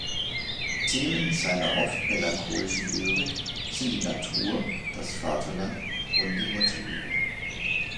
Themen seiner oft melancholischen Lyrik sind die Natur, das Vaterland und die Mutterliebe.